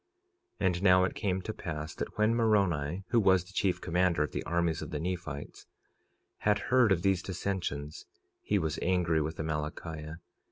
46:11 And now it came to pass that when Moroni, who was the chief commander of the armies of the Nephites, had heard of these dissensions, he was angry with Amalickiah.